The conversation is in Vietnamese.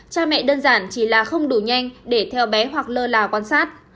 cha mẹ đơn giản chỉ là không đủ nhanh để theo bé hoặc lơ là quan sát